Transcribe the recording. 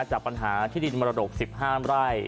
จากปัญหาที่ดินมรดก๑๕ไร่